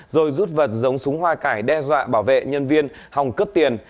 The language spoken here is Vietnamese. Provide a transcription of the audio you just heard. rồi rút vật giống súng hoa cải đe dọa bảo vệ nhân viên hòng cướp tiền